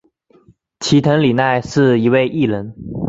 齐藤里奈是一位艺人。